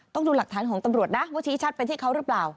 ต้องดูหลักฐานของตำรวจนะว่าชี้ชัดเป็นที่เขาหรือเปล่า